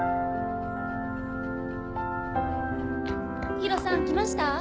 ヒロさん来ました？